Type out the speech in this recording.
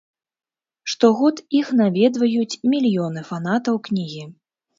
Штогод іх наведваюць мільёны фанатаў кнігі.